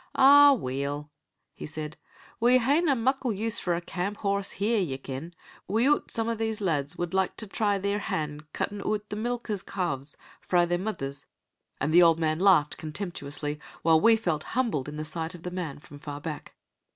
"Ah, weel," he said, "we hae'na muckle use for a camp horrse here, ye ken; wi'oot some of these lads wad like to try theer han' cuttin' oot the milkers' cawves frae their mithers." And the old man laughed contemptuously, while we felt humbled in the sight of the man from far back.